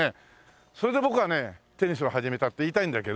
それで僕はテニスを始めたって言いたいんだけど。